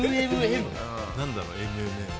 何だろう「ＭＭＭ」